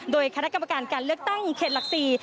โดยคณะกรรมการการเลือกตั้งเขตหลัก๔